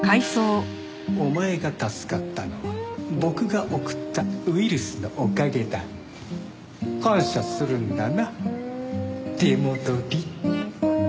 お前が助かったのは僕が送ったウイルスのおかげだ。感謝するんだな出戻り！